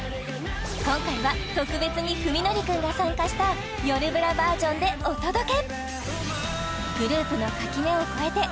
今回は特別に史記君が参加したよるブラバージョンでお届け！